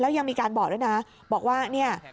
ยังมีการบอกด้วยนะบอกว่าเนี่ย